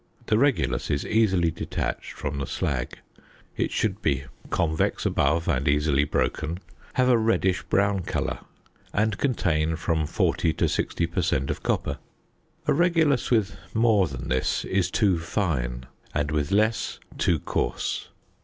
The regulus is easily detached from the slag. It should be convex above and easily broken, have a reddish brown colour, and contain from 40 to 60 per cent. of copper. A regulus with more than this is "too fine," and with less "too coarse."